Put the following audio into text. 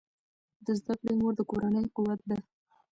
د زده کړې مور د کورنۍ قوت ده.